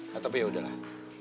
nah tapi yaudahlah